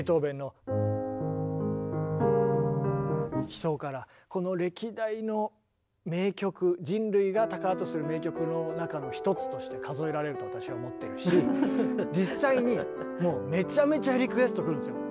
「悲愴」からこの歴代の名曲人類が宝とする名曲の中の一つとして数えられると私は思っているし実際にもうめちゃめちゃリクエストくるんですよ。